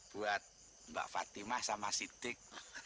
buat mbak fatimah sama sidik